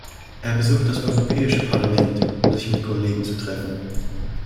Er besucht das Europäische Parlament, um sich mit Kollegen zu treffen.